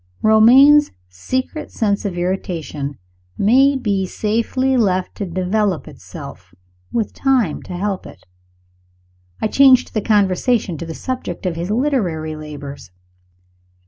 Romayne's secret sense of irritation may be safely left to develop itself, with time to help it. I changed the conversation to the subject of his literary labors.